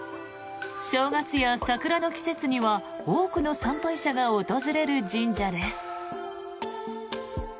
正月や桜の季節には多くの参拝者が訪れる神社です。